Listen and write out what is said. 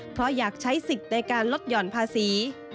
เพราะอยากใช้สิทธิ์ในการลดหย่อนภาษี